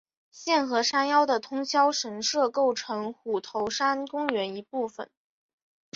现和山腰的通霄神社构成虎头山公园一部分。